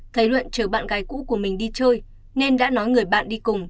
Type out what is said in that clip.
thấy luận chờ bạn gái cũ của mình đi chơi nên đã nói người bạn đi cùng